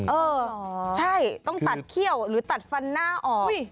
เออใช่ต้องตัดเขี้ยวหรือตัดฟันหน้าออก